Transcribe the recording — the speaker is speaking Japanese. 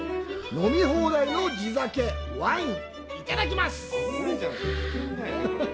飲み放題の地酒、ワインいただきます。